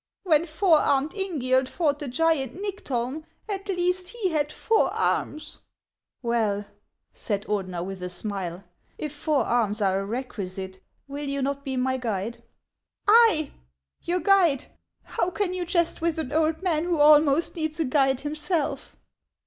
When four armed Ingiald fought the giant Nyctolm, at least, he had four arms !"" Well," said Ordener, with a smile, " if four arms are a requisite, will you not be my guide ?"" I ! your guide ! How can you jest with an old man who' almost needs a guide himself?